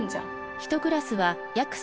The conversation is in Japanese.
１クラスは約３０人。